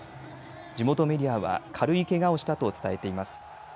地元メディアは軽いけがをしたと伝えています。